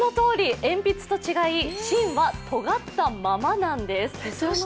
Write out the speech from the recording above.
鉛筆と違い芯はとがったままなんです。